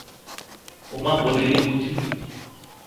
ওমা, বলিলি বুঝি?